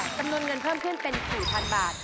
จำนวนเงินเพิ่มขึ้นเป็น๔๐๐๐บาท